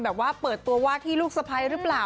แบบว่าเปิดตัวว่าที่ลูกสะพ้ายหรือเปล่า